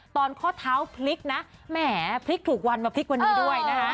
ข้อเท้าพลิกนะแหมพลิกถูกวันมาพลิกวันนี้ด้วยนะคะ